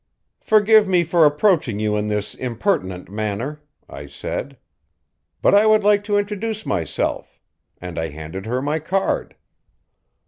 "'Forgive me for approaching you in this impertinent manner,' I said, 'but I would like to introduce myself,' and I handed her my card."